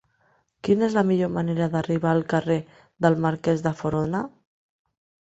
Quina és la millor manera d'arribar al carrer del Marquès de Foronda?